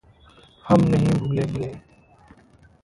हम नहीं भूलेंगे।